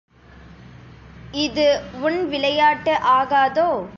இது உன் விளையாட்டு ஆகாதோ?